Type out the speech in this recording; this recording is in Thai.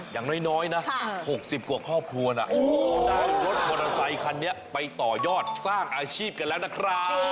อย่างน้อยนะ๖๐กว่าครอบครัวนะได้รถมอเตอร์ไซคันนี้ไปต่อยอดสร้างอาชีพกันแล้วนะครับ